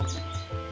mak bangun mak